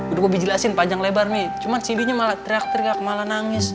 udah bobby jelasin panjang lebar mi cuman cindy nya malah teriak teriak malah nangis